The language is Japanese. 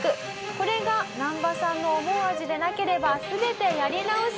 「これがナンバさんの思う味でなければ全てやり直し」